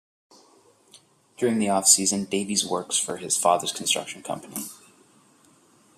During the offseason, Davies works for his father's construction company.